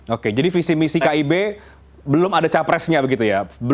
oke jadi visi misi kib belum ada capresnya begitu ya